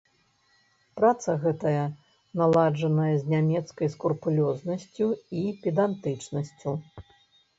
Праца гэтая наладжаная з нямецкай скрупулёзнасцю і педантычнасцю.